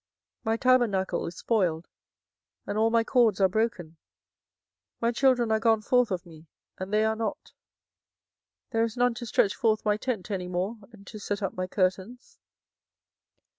24:010:020 My tabernacle is spoiled, and all my cords are broken: my children are gone forth of me, and they are not: there is none to stretch forth my tent any more, and to set up my curtains.